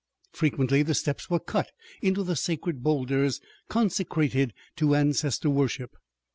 Frequently the steps were cut into the sacred boulders consecrated to ancestor worship.